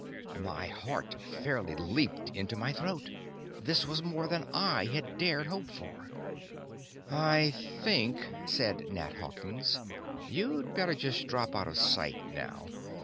My heart fairly leaped into my throat. This was more than I had dared hope for! "I think," said Nat Hawkins, "you'd better just drop out of sight now.